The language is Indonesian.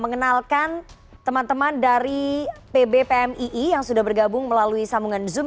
mengenalkan teman teman dari pb pmii yang sudah bergabung melalui sambungan zoom